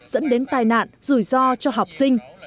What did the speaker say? dẫn đến tài nạn rủi ro cho học sinh